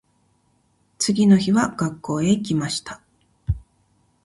次の日は学校へ行きました。